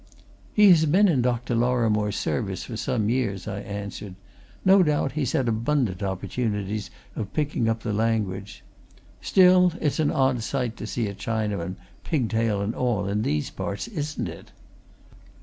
"He has been in Dr. Lorrimore's service for some years," I answered. "No doubt he's had abundant opportunities of picking up the language. Still it's an odd sight to see a Chinaman, pigtail and all, in these parts, isn't it?"